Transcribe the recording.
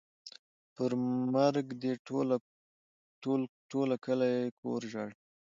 پر مرګ دې ټوله کلي کور ژاړي.